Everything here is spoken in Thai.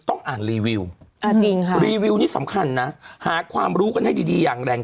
ต้องอ่านรีวิวรีวิวนี่สำคัญนะหาความรู้กันให้ดีอย่างแรง